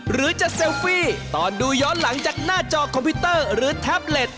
หรือจะเซลฟี่ตอนดูย้อนหลังจากหน้าจอคอมพิวเตอร์หรือแท็บเล็ต